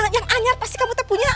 yang anjat pasti kamu tuh punya